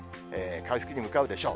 回復に向かうでしょう。